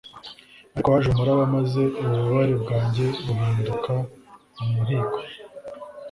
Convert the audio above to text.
ariko haje umuraba maze ububabare bwanjye buhinduka umuhigo